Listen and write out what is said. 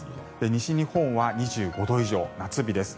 西日本は２５度以上、夏日です。